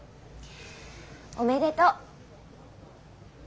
おめでとう。